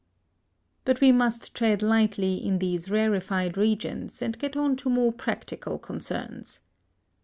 But we must tread lightly in these rarefied regions and get on to more practical concerns.